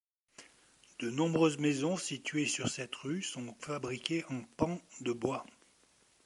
De nombreuses maisons situées sur cette rue sont fabriquées en pan de bois.